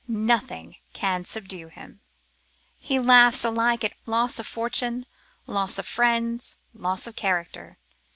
Nothing can subdue him. He laughs alike at loss of fortune, loss of friends, loss of character.